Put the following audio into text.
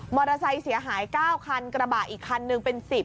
ไซค์เสียหาย๙คันกระบะอีกคันนึงเป็น๑๐